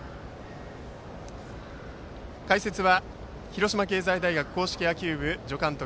解説は広島経済大学硬式野球部助監督